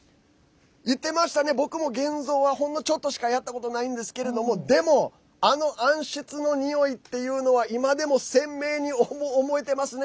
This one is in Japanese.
僕も現像はほんのちょっとしかやったことないんですけどあの暗室のにおいっていうのは鮮明に覚えてますね。